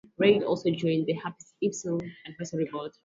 Reid also joined the Hipgnosis advisory board.